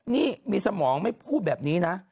นี่มีสมองไม่พูดแบบนี้นะ